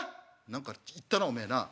「何か言ったなおめえな。